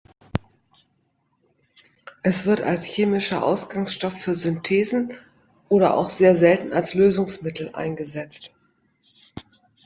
Es wird als chemischer Ausgangsstoff für Synthesen oder auch sehr selten als Lösungsmittel eingesetzt.